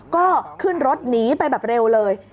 ก็ขึ้นรถหนีไปแบบเร็วเลย